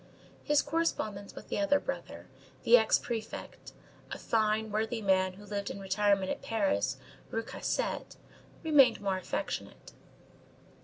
His correspondence with the other brother, the ex prefect, a fine, worthy man who lived in retirement at Paris, Rue Cassette, remained more affectionate.